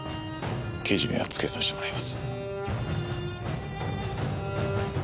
けじめはつけさしてもらいます。